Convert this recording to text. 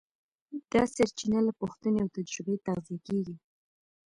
دا سرچینه له پوښتنې او تجربې تغذیه کېږي.